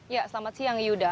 ya selamat siang yuda